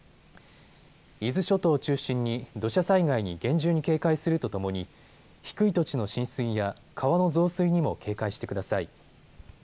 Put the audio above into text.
伊豆諸島を中心に土砂災害に厳重に警戒するとともに低い土地の浸水や川の増水にも警戒してください。